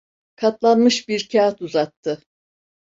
Katlanmış bir kâğıt uzattı.